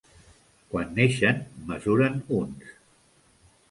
Quan neixen mesuren uns.